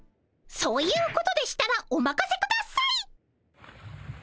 そういうことでしたらおまかせください！